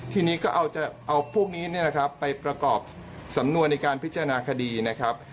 ทีนี้ก็เอาพวกนี้เนี่ยนะครับไปประกอบสำนวนในการพิจารณาคดีนะครับ